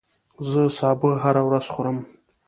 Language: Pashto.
زه سابه هره ورځ خورم